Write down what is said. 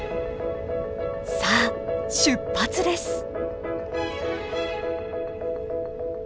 さあ出発です！